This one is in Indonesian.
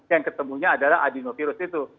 yang ketemunya adalah adenovirus itu